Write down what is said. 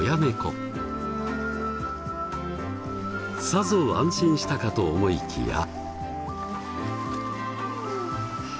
さぞ安心したかと思いきや。